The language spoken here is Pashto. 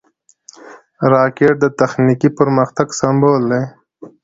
راکټ د تخنیکي پرمختګ سمبول دی